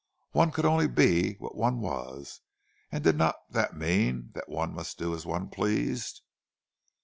One could only be what one was; and did not that mean that one must do as one pleased?